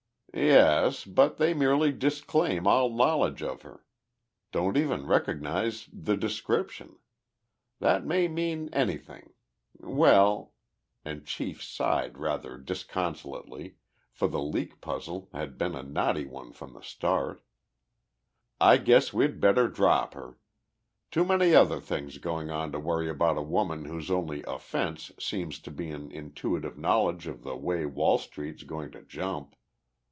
"Yes, but they merely disclaim all knowledge of her. Don't even recognize the description. That may mean anything. Well," and chief sighed rather disconsolately, for the leak puzzle had been a knotty one from the start, "I guess we'd better drop her. Too many other things going on to worry about a woman whose only offense seems to be an intuitive knowledge of the way Wall Street's going to jump."